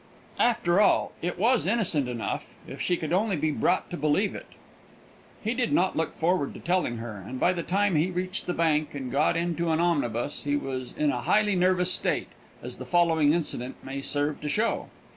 After all, it was innocent enough if she could only be brought to believe it. He did not look forward to telling her; and by the time he reached the Bank and got into an omnibus, he was in a highly nervous state, as the following incident may serve to show.